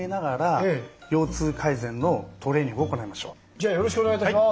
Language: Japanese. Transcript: じゃあよろしくお願いいたします！